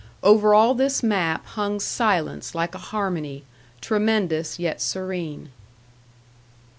Over all this map hung silence like a harmony, tremendous yet serene.